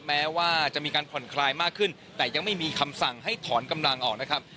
แม้ว่าจะมีการผ่อนคลายมากขึ้นแต่ยังไม่มีคำสั่งให้ถอนกำลังออกนะครับ